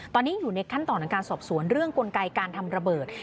ตอนนี้อยู่ในขั้นตอนของการสอบสวนเรื่องกลไกการทำระเบิด